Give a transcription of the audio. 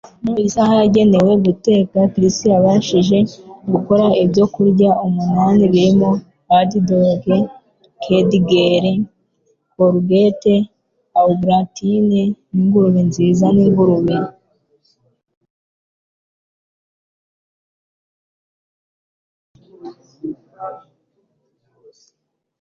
Mu isaha yagenewe guteka, Chris yabashije gukora ibyokurya umunani birimo haddock kedgeree, courgette au gratin ningurube-nziza-ningurube.